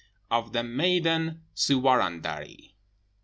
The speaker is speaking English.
OF THE MAIDEN SSUWARANDARI.